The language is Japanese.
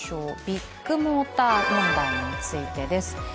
ビッグモーター問題についてです。